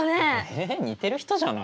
え似てる人じゃない？